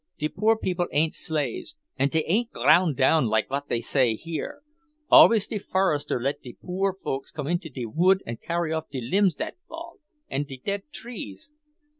De poor people ain't slaves, and dey ain't ground down like what dey say here. Always de forester let de poor folks come into de wood and carry off de limbs dat fall, and de dead trees.